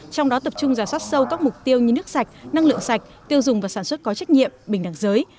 trong đó tập trung giả soát sâu các mục tiêu như nước sạch năng lượng sạch tiêu dùng và sản xuất có trách nhiệm bình đẳng giới